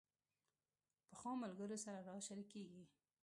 پخو ملګرو سره راز شریکېږي